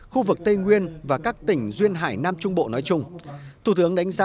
khu vực tây nguyên và các tỉnh duyên hải nam trung bộ nói chung